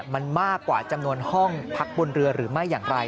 มันมากกว่าจำนวนห้องพักบนเรือหรือไม่อย่างไร